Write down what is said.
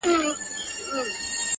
دا ده کوچي ځوانيمرگې نجلۍ تول دی،